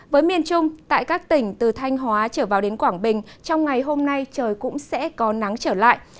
với miền trung tại các tỉnh từ thanh hóa trở vào đến quảng bình trong ngày hôm nay trời cũng sẽ có nắng trở lại